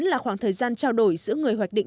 là khoảng thời gian trao đổi giữa người hoạch định